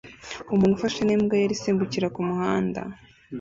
Umuntu ufashe n'imbwa yera isimbukira kumuhanda